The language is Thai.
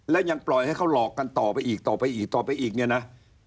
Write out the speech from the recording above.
และยังปล่อยให้เขาหลอกกันต่อไปอีกต่อไปอีกต่อไปอีกเนี่ยนะ